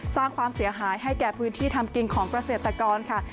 สร้างความเสียหายให้แก่พื้นที่ทำกินของเกษตรกรค่ะ